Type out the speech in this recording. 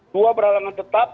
dua peralangan tetap